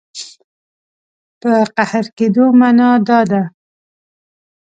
په قهر کېدو معنا دا ده.